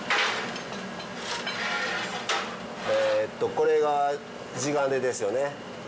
えっとこれが地金ですよね